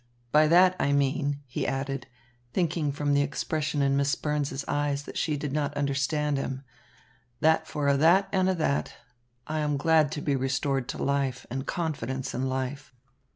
By that I mean," he added, thinking from the expression in Miss Burns's eyes that she did not understand him, "that for a' that and a' that, I am glad to be restored to life and confidence in life."